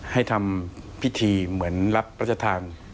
ให้ทำพิธีเหมือนรับพระชธาน